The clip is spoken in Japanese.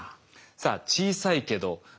さあ小さいけどまあ